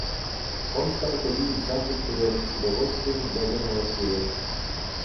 Он стал ходить взад и вперед, с удовольствием глядя на лакеев.